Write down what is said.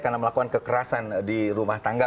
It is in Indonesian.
karena melakukan kekerasan di rumah tangga